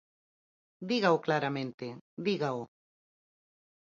Dígao claramente, dígao.